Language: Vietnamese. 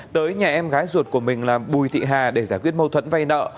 tới nhà em gái ruột của mình là bùi thị hà để giải quyết mâu thuẫn vay nợ